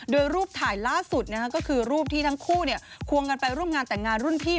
โดยรูปถ่ายล่าสุดก็คือรูปที่ทั้งคู่ควงกันไปร่วมงานแต่งงานรุ่นพี่